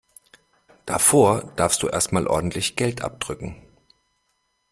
Davor darfst du erst mal ordentlich Geld abdrücken.